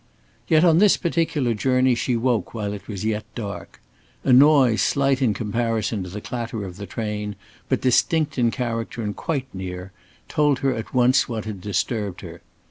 Yet on this particular journey she woke while it was yet dark. A noise slight in comparison to the clatter of the train, but distinct in character and quite near, told her at once what had disturbed her.